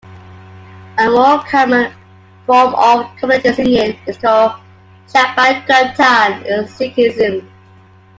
A more common form of community singing is called "Shabad Kirtan" in Sikhism.